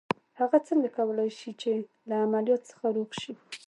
هغه څنګه کولای شي چې له عمليات څخه روغ شي.